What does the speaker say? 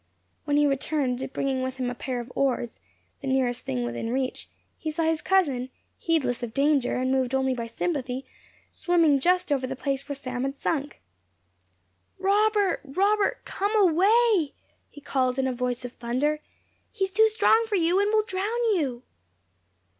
When he returned, bringing with him a pair of oars (the nearest thing within reach), he saw his cousin, heedless of danger, and moved only by sympathy, swimming just over the place where Sam had sunk. "Robert! Robert! COME AWAY!" he called in a voice of thunder; "he is too strong for you, and will drown you!"